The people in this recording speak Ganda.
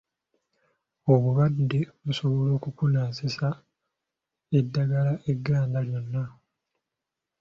Obulwadde busobola okukunaazisa eddagala egganda lyonna.